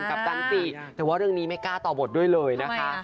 จันติแต่ว่าเรื่องนี้ไม่กล้าต่อบทด้วยเลยนะคะ